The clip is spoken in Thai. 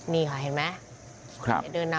นี่ค่ะเห็นไหม